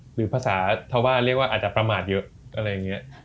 หรือภาษาชาวบ้านเรียกว่าอาจจะประมาทเยอะอะไรอย่างนี้